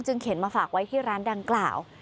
เข็นมาฝากไว้ที่ร้านดังกล่าว